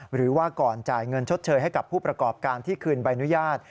หรือว่าก่อนจ่ายเงินชดเชยให้กับผู้ประกอบการที่คืนใบอนุญาต